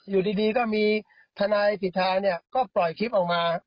อยู่ดีก็มีทนายสิทธาเนี่ยก็ปล่อยคลิปออกมา